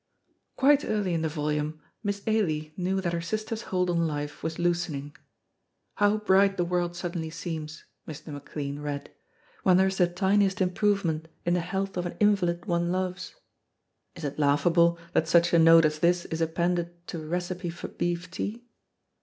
Quite early in the volume Miss Ailie knew that her sister's hold on life was loosening. "How bright the world suddenly seems," Mr. McLean read, "when there is the tiniest improvement in the health of an invalid one loves." Is it laughable that such a note as this is appended to a recipe for beef tea?